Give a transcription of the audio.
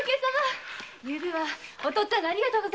昨夜はお父っつぁんがありがとうございました。